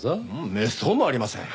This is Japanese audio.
めっそうもありません。